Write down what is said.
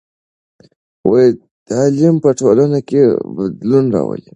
تعلیم په ټولنه کې بدلون راولي.